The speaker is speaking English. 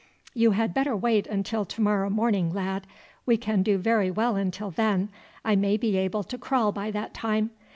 "You had better wait until to morrow morning, lad. We can do very well until then. I may be able to crawl by that time.